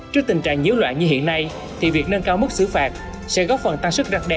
trước tình trạng nhiễu loạn như hiện nay thì việc nâng cao mức xử phạt sẽ góp phần tăng sức rạc đè